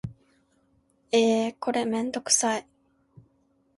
えーこれめんどくさい